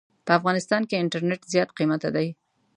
په افغانستان کې انټرنيټ زيات قيمته دي.